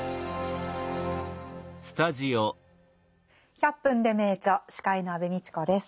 「１００分ｄｅ名著」司会の安部みちこです。